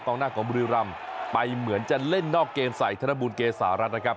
ต้องน่าความบุริรัมไปเหมือนจะเล่นนอกเกมใส่ธนบุญเกษารัฐนะครับ